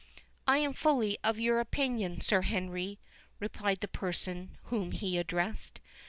"I am fully of your opinion, Sir Henry," replied the person whom he addressed.